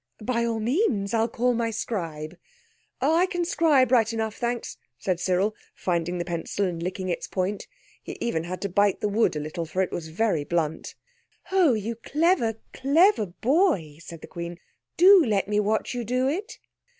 "By all means. I'll call my scribe." "Oh, I can scribe right enough, thanks," said Cyril, finding the pencil and licking its point. He even had to bite the wood a little, for it was very blunt. "Oh, you clever, clever boy!" said the Queen. "do let me watch you do it!"